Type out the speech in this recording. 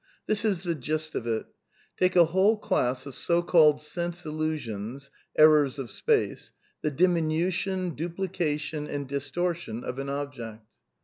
This is the gist of it: Take a whole class of so called sense illusions (errors of space), the diminution, duplication, and dis tortion of an object.